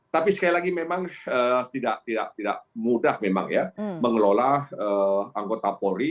tapi sekali lagi memang tidak mudah memang ya mengelola anggota polri